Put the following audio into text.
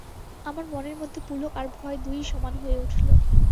আমার মনের মধ্যে পুলক আর ভয় দুইই সমান হয়ে উঠল।